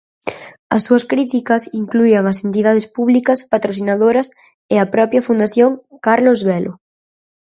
As súas críticas incluían as entidades públicas patrocinadoras e a propia Fundación Carlos Velo.